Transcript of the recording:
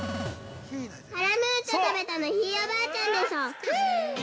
◆カラムーチョ食べたの、ひいおばあちゃんでしょう。